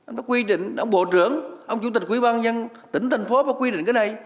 nó quy định ông bộ trưởng ông chủ tịch quỹ ban nhân tỉnh thành phố phải quy định cái này